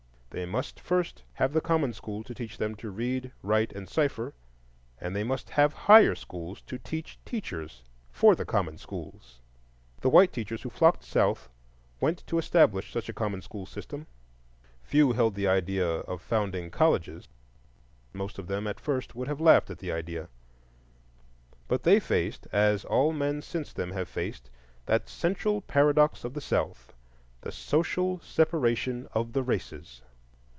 They must first have the common school to teach them to read, write, and cipher; and they must have higher schools to teach teachers for the common schools. The white teachers who flocked South went to establish such a common school system. Few held the idea of founding colleges; most of them at first would have laughed at the idea. But they faced, as all men since them have faced, that central paradox of the South,—the social separation of the races.